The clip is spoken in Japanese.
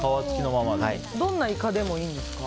どんなイカでもいいんですか？